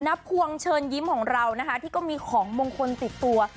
พวงเชิญยิ้มของเรานะคะที่ก็มีของมงคลติดตัว